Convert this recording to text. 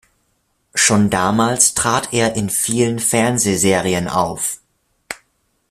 Schon damals trat er in vielen Fernsehserien auf.